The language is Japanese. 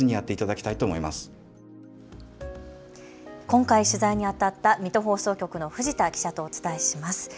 今回取材にあたった水戸放送局の藤田記者とお伝えします。